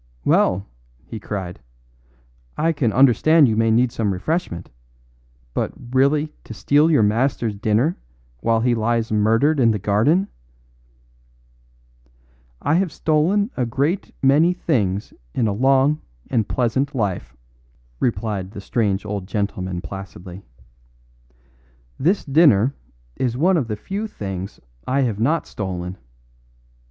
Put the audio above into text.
"Well," he cried. "I can understand you may need some refreshment, but really to steal your master's dinner while he lies murdered in the garden " "I have stolen a great many things in a long and pleasant life," replied the strange old gentleman placidly; "this dinner is one of the few things I have not stolen.